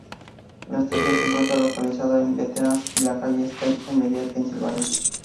La estación se encuentra localizada en Veterans y la Calle State en Media, Pensilvania.